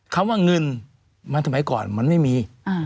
คำว่าเงินมันสมัยก่อนมันไม่มี